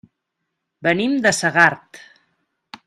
Venim de Segart.